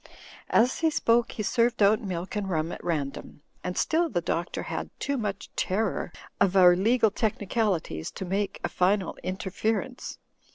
As he spoke, he served out milk and rum at random ; and still the Doctor had too much terror of our legal technicalities to make a final interference.